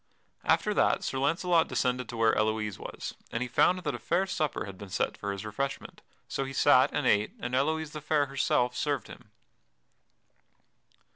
After that Sir Launcelot descended to where Elouise was, and he found that a fair supper had been set for his refreshment. So he sat and ate, and Elouise the Fair herself served him.